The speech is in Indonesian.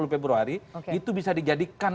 sepuluh februari itu bisa dijadikan